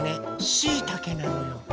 しいたけなのよ。